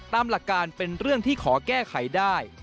ตามหลักการเป็นเรื่องที่ขอแก้ไขได้